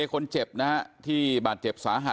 แม่โชคดีนะไม่ถึงตายนะ